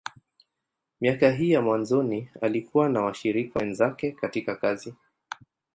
Miaka hii ya mwanzoni, alikuwa na washirika wenzake katika kazi.